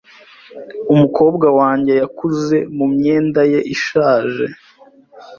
Umukobwa wanjye yakuze mumyenda ye ishaje .